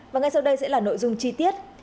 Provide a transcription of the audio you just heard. và ngay sau đây sẽ là nội dung chi tiết